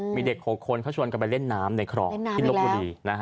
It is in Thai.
มีเด็กหยุดคนเขาชวนกันไปเล่นน้ำในข่อกในรบบุหรี่